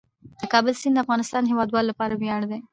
د کابل سیند د افغانستان د هیوادوالو لپاره ویاړ دی.